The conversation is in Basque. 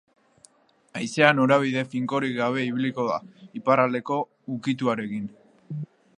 Haizea norabide finkorik gabe ibiliko da, iparraldeko ukituarekin.